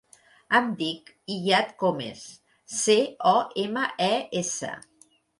Em dic Iyad Comes: ce, o, ema, e, essa.